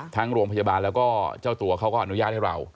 ทั้งโรงพยาบาลแล้วก็เจ้าตัวเขาก็อนุญาตให้เรา